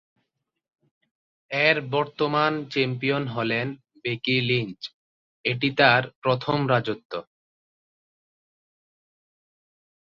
এর বর্তমান চ্যাম্পিয়ন হলেন বেকি লিঞ্চ, এটি তার প্রথম রাজত্ব।